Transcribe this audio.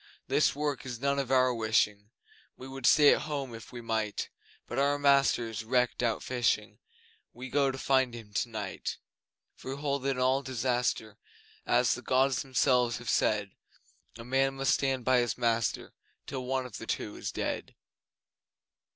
This work is none of our wishing We would stay at home if we might But our master is wrecked out fishing, We go to find him tonight. For we hold that in all disaster As the Gods Themselves have said A man must stand by his master Till one of the two is dead.